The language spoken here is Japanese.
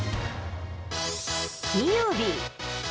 金曜日。